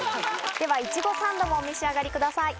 ではイチゴサンドもお召し上がりください。